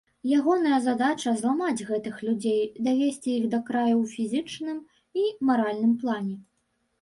Ягоная задача зламаць гэтых людзей, давесці іх да краю ў фізічным і маральным плане.